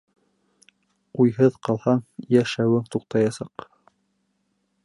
Уйһыҙ ҡалһаң, йә-шәүең туҡтаясаҡ.